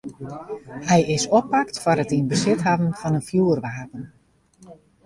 Hy is oppakt foar it yn besit hawwen fan in fjoerwapen.